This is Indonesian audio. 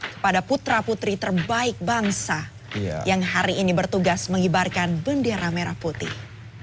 kepada putra putri terbaik bangsa yang hari ini bertugas mengibarkan bendera merah putih